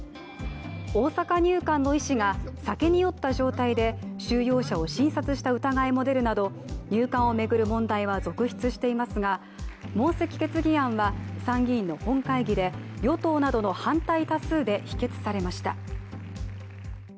大阪入管の医師が酒に酔った状態で収容者を診察した疑いも出るなど、入管を巡る問題は続出していますが、問責決議案は参議院の本会議で与党などの反対多数で否決されました。